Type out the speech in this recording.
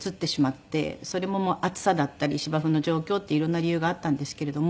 それも暑さだったり芝生の状況って色んな理由があったんですけれども。